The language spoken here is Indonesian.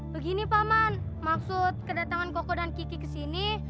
begini paman maksud kedatangan koko dan kiki kesini